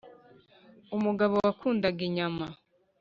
umugabo wakundaga inyama